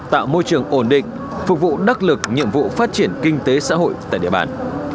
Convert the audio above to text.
tạo môi trường ổn định phục vụ đắc lực nhiệm vụ phát triển kinh tế xã hội tại địa bàn